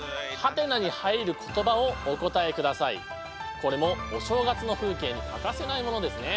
これもお正月の風景に欠かせないものですね。